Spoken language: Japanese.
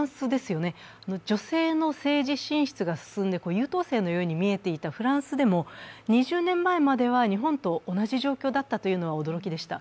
優等生のように見えていたフランスでも、２０年前は日本と同じ状況だったというのは驚きでした。